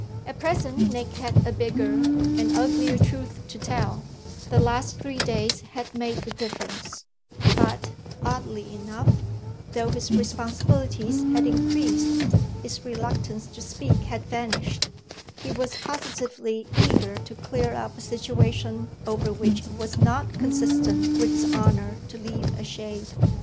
At present Nick had a bigger, an uglier truth to tell the last three days had made the difference; but, oddly enough, though his responsibility had increased his reluctance to speak had vanished: he was positively eager to clear up a situation over which it was not consistent with his honour to leave a shade.